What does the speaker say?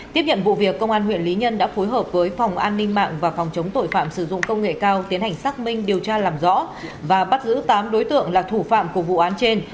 tiếp nhận vụ việc công an huyện lý nhân đã phối hợp với phòng an ninh mạng và phòng chống tội phạm sử dụng công nghệ cao tiến hành xác minh điều tra làm rõ và bắt giữ tám đối tượng là thủ phạm của vụ án trên